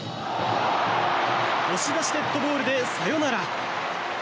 押し出しデッドボールでサヨナラ。